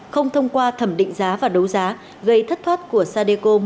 không thông qua thẩm định giá và đấu giá gây thất thoát của sadecom